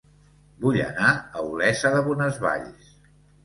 Vull anar a Olesa de Bonesvalls